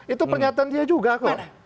itu pernyataan dia juga kok